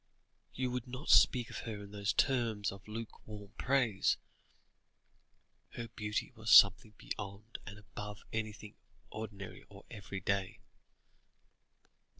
You would not speak of her in those terms of lukewarm praise. Her beauty was something beyond and above anything ordinary or everyday."